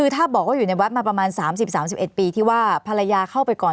ถ้าบอกว่าอยู่ในวัดมาประมาณ๓๐๓๑ปีที่ว่าภรรยาเข้าไปก่อน